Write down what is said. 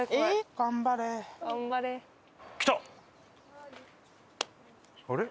頑張れ。